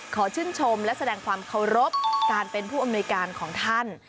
ขอชื่นชมและแสดงความเคารพการเป็นผู้อำนวยการของท่าน